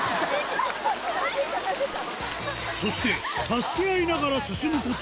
そして助け合いながら進むこと